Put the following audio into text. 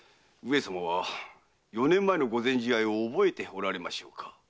上様は四年前の御前試合を覚えておられましょうか？